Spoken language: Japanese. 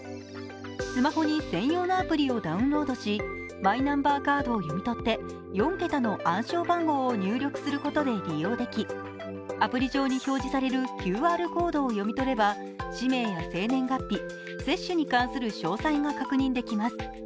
スマホに専用のアプリをダウンロードしマイナンバーカードを読み取って４桁の暗証番号を入力することで利用できアプリ上に表示されるＱＲコードを読み取れば氏名や生年月日、接種に関する詳細が確認できます。